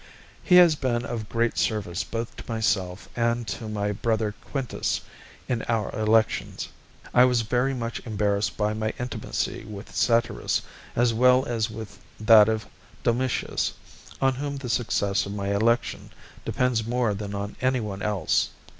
He has been of great service both to myself and to my brother Quintus in our elections. I was very much embarrassed by my intimacy with Satyrus as well as that with Domitius, on whom the success of my election depends more than on anyone else.